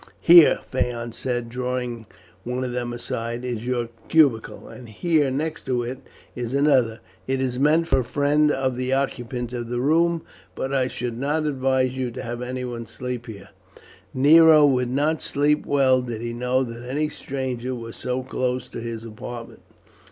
"Here," Phaon said, drawing one of them aside, "is your cubicule, and here, next to it, is another. It is meant for a friend of the occupant of the room; but I should not advise you to have anyone sleep here. Nero would not sleep well did he know that any stranger was so close to his apartment.